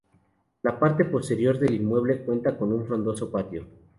La parte posterior del inmueble cuenta con un frondoso patio.